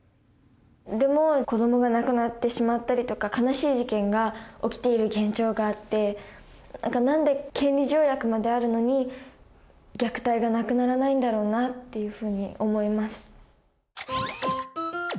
でも子どもが亡くなってしまったりとか悲しい事件が起きている現状があってなんで権利条約まであるのに虐待がなくならないんだろうなっていうふうに思います。